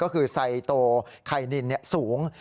ก็คือไซโตไข่นินสูง